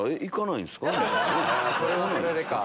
それはそれで。